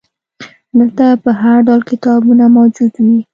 دلته به هرډول کتابونه موجود وي.